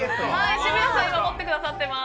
渋谷さんが今持ってくださってます。